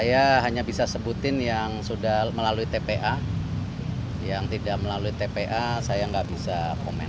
saya hanya bisa sebutin yang sudah melalui tpa yang tidak melalui tpa saya nggak bisa komen